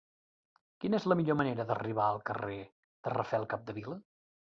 Quina és la millor manera d'arribar al carrer de Rafael Capdevila?